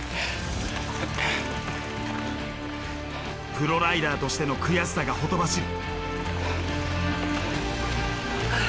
プロライダーとしての悔しさがほとばしる。